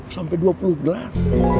sampai dua puluh gelas